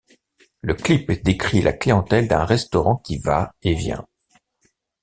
Le clip décrit la clientèle d'un restaurant qui va et vient.